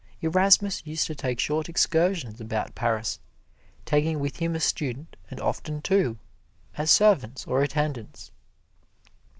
Erasmus used to take short excursions about Paris, taking with him a student and often two, as servants or attendants.